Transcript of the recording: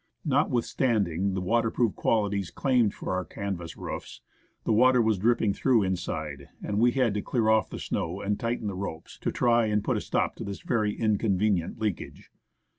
Notwithstanding the waterproof quaUties claimed for our canvas roofs, the water was dripping through inside, and we had to clear off the snow and tighten the ropes, to try and put a stop to this very inconvenient leakaee.